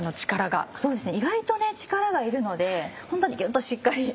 意外と力がいるのでホントにギュっとしっかり。